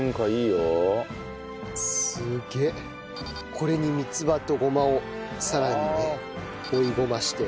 これに三つ葉とごまをさらにね追いごまして。